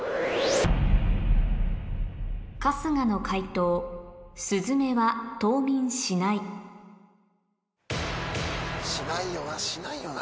春日の解答「スズメは冬眠しない」しないよな？